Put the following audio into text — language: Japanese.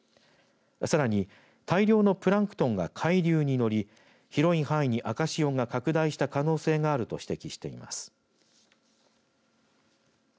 さらに大量のプランクトンが海流に乗り広い範囲に赤潮が拡大した可能性があると指摘しています。